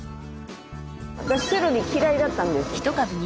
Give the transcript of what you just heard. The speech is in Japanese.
私セロリ嫌いだったんです。